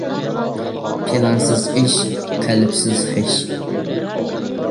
پىلانسىز ئىش، قېلىپسىز خىش.